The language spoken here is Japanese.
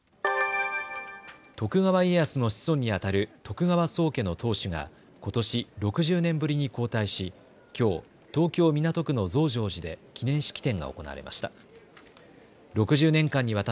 徳川家康の子孫にあたる徳川宗家の当主がことし６０年ぶりに交代し、きょう東京港区の増上寺で記念式典が行われました。